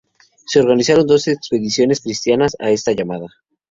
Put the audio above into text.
Se organizaron dos expediciones cristianas a esta llamada.